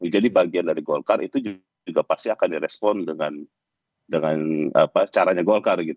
jadi bagian dari gokar itu juga pasti akan direspon dengan caranya gokar